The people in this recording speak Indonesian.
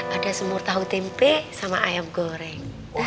ada sumur tahu tempe sama ayam goreng